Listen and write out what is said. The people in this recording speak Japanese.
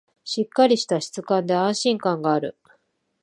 しっかりした質感で安心感がある